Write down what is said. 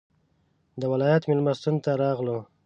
د ولایت مېلمستون ته راغلو.